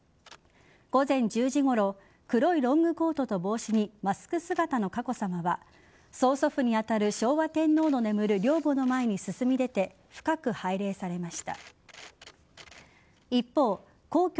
午前１０時ごろ黒いロングコートと帽子にマスク姿の佳子さまは曽祖父に当たる昭和天皇の眠る陵墓の前に神奈川県平塚市で５７歳の男性が車にひき逃げされ死亡しました。